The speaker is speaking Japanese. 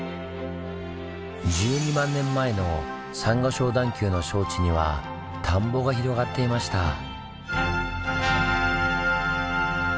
１２万年前のサンゴ礁段丘の礁池には田んぼが広がっていました。